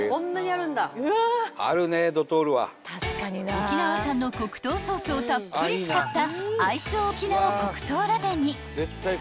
［沖縄産の黒糖ソースをたっぷり使った］